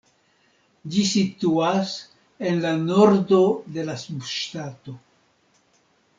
Ĝi situas en la nordo de la subŝtato.